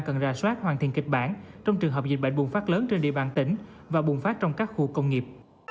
cần ra soát hoàn thiện kịch bản trong trường hợp dịch bệnh bùng phát lớn trên địa bàn tỉnh và bùng phát trong các khu công nghiệp